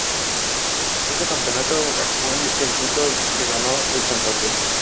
Este campeonato fue el quinto que ganó el Santa Fe.